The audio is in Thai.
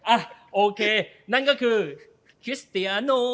อะโอเคนั่นก็คือโคโภ่